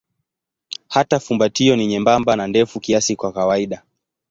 Hata fumbatio ni nyembamba na ndefu kiasi kwa kawaida.